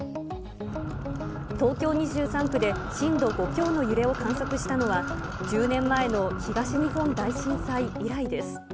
東京２３区で震度５強の揺れを観測したのは、１０年前の東日本大震災以来です。